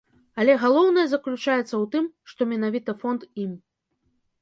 Але галоўнае заключаецца ў тым, што менавіта фонд ім.